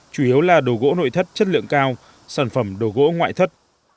chủ yếu là đồ gỗ nội thất chất lượng cao sản phẩm đồ gỗ ngoại thất